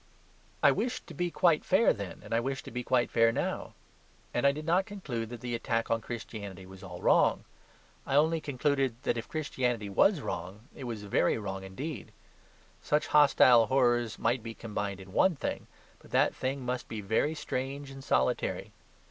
I wished to be quite fair then, and I wish to be quite fair now; and I did not conclude that the attack on Christianity was all wrong. I only concluded that if Christianity was wrong, it was very wrong indeed. Such hostile horrors might be combined in one thing, but that thing must be very strange and solitary.